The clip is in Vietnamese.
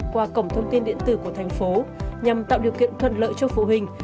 qua cổng thông tin điện tử của thành phố nhằm tạo điều kiện thuận lợi cho phụ huynh